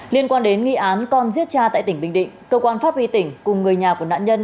liên quan đến nghi án con giết cha tại tỉnh bình định cơ quan pháp y tỉnh cùng người nhà của nạn nhân